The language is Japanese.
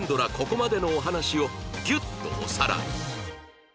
ここまでのお話をギュッとおさらい！